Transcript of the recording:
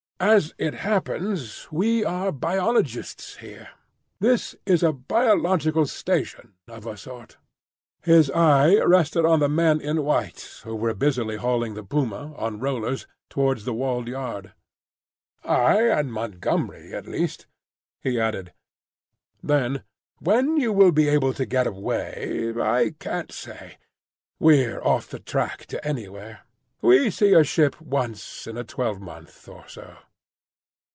"As it happens, we are biologists here. This is a biological station—of a sort." His eye rested on the men in white who were busily hauling the puma, on rollers, towards the walled yard. "I and Montgomery, at least," he added. Then, "When you will be able to get away, I can't say. We're off the track to anywhere. We see a ship once in a twelve month or so."